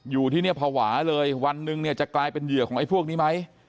อยู่ที่เนี่ยภาวะเลยวันหนึ่งเนี่ยจะกลายเป็นเหยื่อของไอ้พวกนี้ไหม